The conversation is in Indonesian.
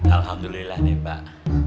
alhamdulillah nih pak